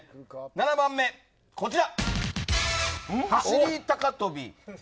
７番目こちら。